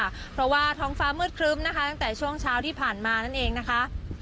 เพราะว่าท้องฟ้ามืดครึ้มนะคะตั้งแต่ช่วงเช้าที่ผ่านมานั่นเองนะคะ